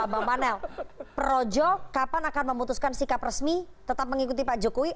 bang panel projo kapan akan memutuskan sikap resmi tetap mengikuti pak jokowi